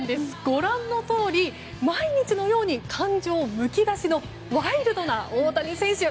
ご覧のとおり毎日のように感情むき出しのワイルドな大谷選手。